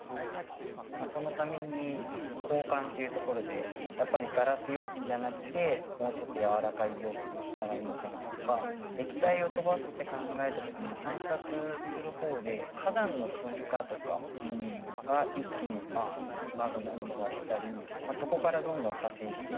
そのために交換っていうところでやっぱりガラス容器じゃなくてもうちょっとやわらかい容器にしたらいいのかなとか液体を飛ばすって考えた時に観察するほうで火山の噴火とかが一気にバーンってマグマを飛ばしたりそこからどんどん派生して。